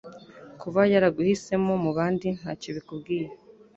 kuba yaraguhisemo mu bandi ntacyo bikubwiye